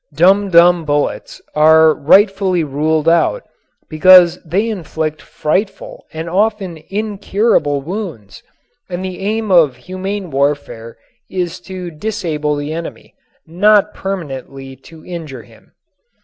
Dumdum bullets are rightfully ruled out because they inflict frightful and often incurable wounds, and the aim of humane warfare is to disable the enemy, not permanently to injure him.